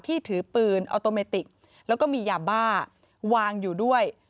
ถือปืนออโตเมติกแล้วก็มียาบ้าวางอยู่ด้วย